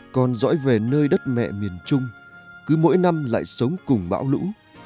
con dõi về nơi đất mẹ miền trung cứ mỗi năm lại sống cùng bão lũ